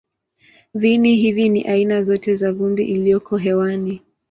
Viini hivi ni aina zote za vumbi iliyoko hewani.